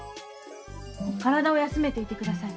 体を休めていて下さい。